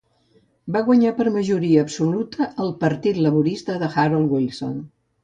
Va guanyar per majoria absoluta el Partit Laborista de Harold Wilson.